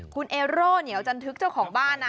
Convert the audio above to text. คุณเอโร่เหนียวจันทึกเจ้าของบ้านนะ